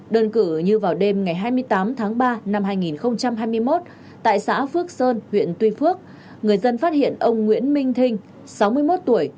đơn cử như vào đêm ngày hai mươi tám tháng ba năm hai nghìn hai mươi một tại xã phước sơn huyện tuy phước người dân phát hiện ông nguyễn minh thinh sáu mươi một tuổi